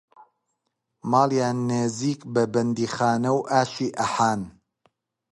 ماڵیان نێزیک بە بەندیخانەوو ئاشی ئەحان